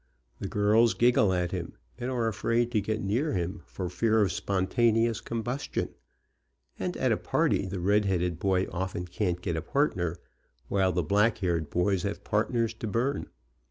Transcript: The girls giggle at him, and are afraid to get near him for fear of spontaneous combustion, and at a party the red headed boy often can't get a partner, while the black haired boys have partners to burn.